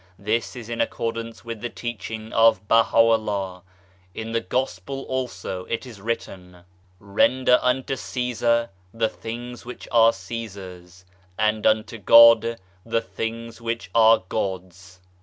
This is in accordance with the Teaching of Baha'u'llah. In the Gospel also it is written, " Render unto Caesar the things which are Caesar's, and unto God the things which are God's."